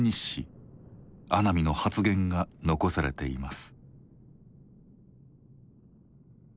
阿南の発言が残されています。